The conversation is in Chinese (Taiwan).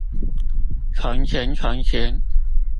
從前從前